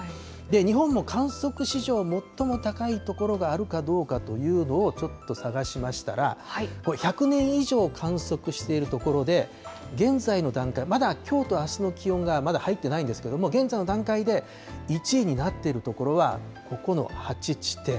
日本も観測史上最も高い所があるかどうかというのをちょっと探しましたら、これ、１００年以上観測している所で、現在の段階、まだきょうとあすの気温がまだ入ってないんですけれども、現在の段階で１位になってる所はここの８地点。